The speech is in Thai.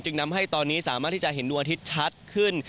นำให้ตอนนี้สามารถที่จะเห็นดวงอาทิตย์ชัดขึ้น